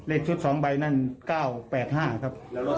ชุด๒ใบนั่น๙๘๕ครับ